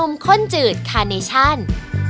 ค่ะขอบคุณค่ะน้องน้อย